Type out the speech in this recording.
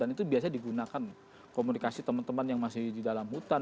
dan itu biasanya digunakan komunikasi teman teman yang masih di dalam hutan